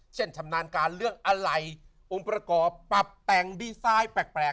เช่นชำนาญการเรื่องอะไรอุปกรณ์ปรากฎปรับแต่งดีไซน์แปลก